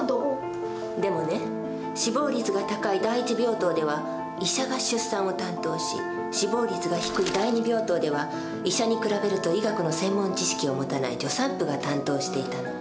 でもね死亡率が高い第一病棟では医者が出産を担当し死亡率が低い第二病棟では医者に比べると医学の専門知識を持たない助産婦が担当していたの。